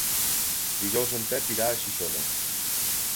Dijous en Pep irà a Xixona.